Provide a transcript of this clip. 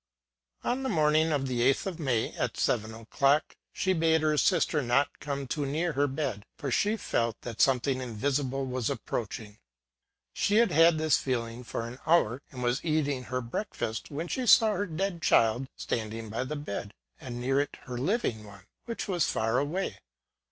On the morning of the 8th of May, at seven o'clock, she bade her sister not come too near her bed, for she felt that something invisible was ap proaching. She had had this feeling for an hour, SECOND SIGHT. 87 and was eating her breakfast, when she saw her dead child standing by the bed, and near it her living one^ which was far away.